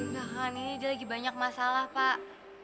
gak kan aja lagi banyak masalah pak